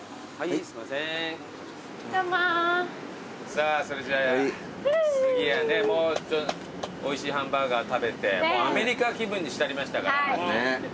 さあそれじゃ次はねおいしいハンバーガー食べてアメリカ気分に浸りましたから。